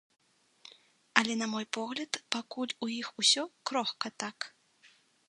Але на мой погляд пакуль у іх усё крохка так.